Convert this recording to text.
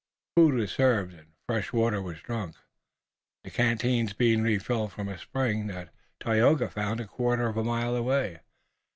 Food was served and fresh water was drunk, the canteens being refilled from a spring that Tayoga found a quarter of a mile away.